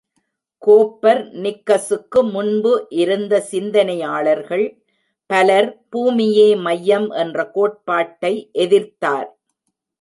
Copper நிக்கசுக்கு முன்பு இருந்த சிந்தனையாளர்கள் பலர், பூமியே மையம் என்ற கோட்பாட்டை எதிர்த்தார்.